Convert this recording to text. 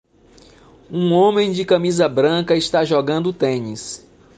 Um homem de camisa branca está jogando tênis.